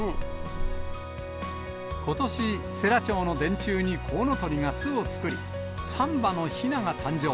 ことし、世羅町の電柱にコウノトリが巣を作り、３羽のひなが誕生。